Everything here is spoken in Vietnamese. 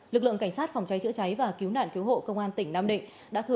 lực lượng cảnh sát phòng cháy chữa cháy và cứu nạn cứu hộ công an tỉnh nam định